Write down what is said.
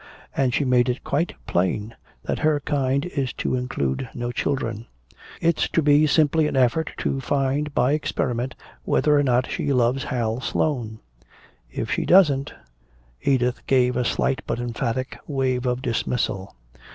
And she made it quite plain that her kind is to include no children. It's to be simply an effort to find by 'experiment' whether or not she loves Hal Sloane. If she doesn't " Edith gave a slight but emphatic wave of dismissal.